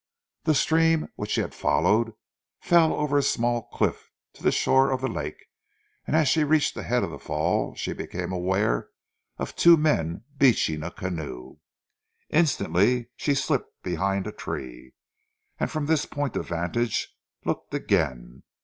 The stream, which she had followed fell over a small cliff to the shore of the lake and as she reached the head of the fall she became aware of two men beaching a canoe. Instantly she slipped behind a tree, and from this point of vantage looked again.